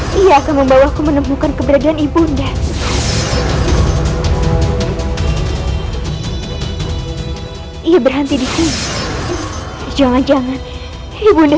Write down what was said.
sampai jumpa di video selanjutnya